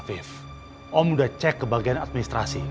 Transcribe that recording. afif om udah cek ke bagian administrasi